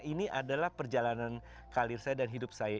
ini adalah perjalanan karir saya dan hidup saya